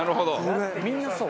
みんなそう。